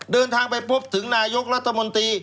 เดินทางไปพบถึงนายกรัฐมนตรี